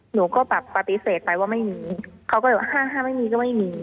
หนูก็แบบปฏิเสธไปว่าไม่มีเขาก็เลยว่าห้าห้าไม่มีก็ไม่มี